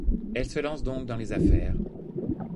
Elle se lance donc dans les affaires.